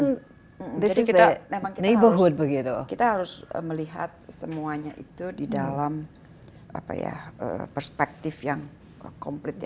jadi kita memang kita harus melihat semuanya itu di dalam perspektif yang komplit